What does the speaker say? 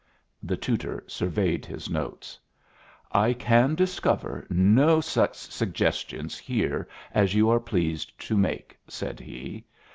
The tutor surveyed his notes. "I can discover no such suggestions here as you are pleased to make" said he.